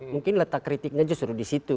mungkin letak kritiknya justru disitu